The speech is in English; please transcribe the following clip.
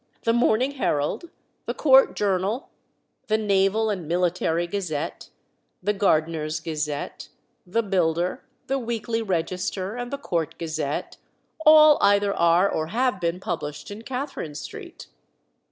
The Morning Herald, the Court Journal, the Naval and Military Gazette, the Gardener's Gazette, the Builder, the Weekly Register, and the Court Gazette, all either are or have been published in Catherine Street.